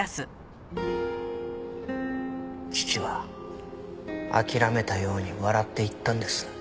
父は諦めたように笑って言ったんです。